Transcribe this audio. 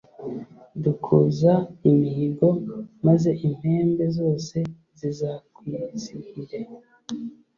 dukuza imihigo, maze impembe zose zizakwizihire